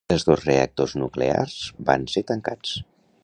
Els dos reactors nuclears van ser tancats.